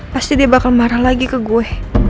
pasti dia bakal marah lagi ke gue